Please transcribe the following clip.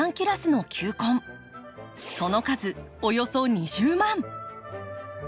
その数およそ２０万！